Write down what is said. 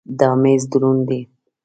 دا مېز دروند دی.